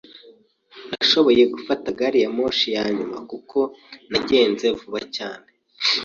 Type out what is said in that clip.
Nashoboye gufata gari ya moshi ya nyuma kuko nagenze vuba cyane.